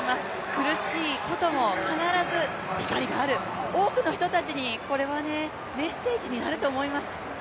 苦しいこともかならず光がある多くの人たちにこれはメッセージになると思います。